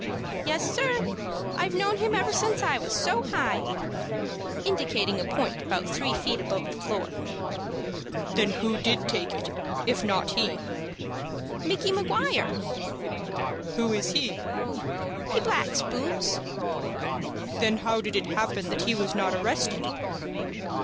"Yes, sir. I've knowed him ever since I was so high," indicating a point about three feet above the floor. "Then who did take it, if not he?" "Micky Maguire." "Who is he?" "He blacks boots." "Then how did it happen that he was not arrested?"